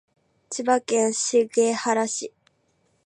千葉県茂原市